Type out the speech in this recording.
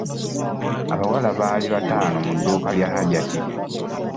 Abawala baali batono mu dduuka lya Hajjati.